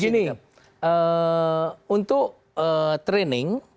begini untuk training